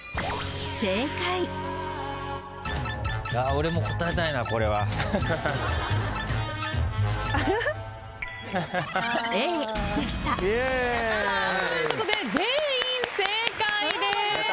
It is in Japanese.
俺も答えたいなこれは。ということで全員正解です。